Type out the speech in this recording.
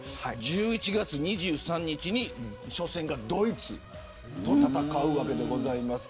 １１月２３日に初戦はドイツと戦います。